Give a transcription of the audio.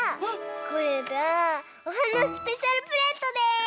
これがおはなスペシャルプレートです！